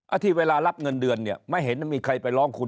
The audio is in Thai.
ที่เวลารับเงินเดือนเนี่ยไม่เห็นมีใครไปร้องคุณ